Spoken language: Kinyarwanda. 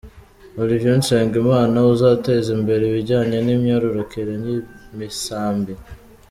Olivier Nsengimana uzateza imbere ibijyanye n’imyororokere y’imisambi.